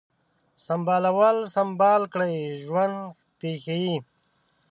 سمبالول ، سمبال کړی ، ژوند پیښې